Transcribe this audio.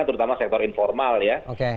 terutama sektor informal ya